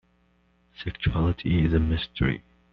Sexuality is a mystery.